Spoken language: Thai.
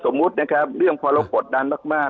สมมุตินะครับเรื่องพอเรากดดันมาก